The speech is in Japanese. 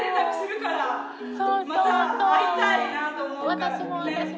私も私も。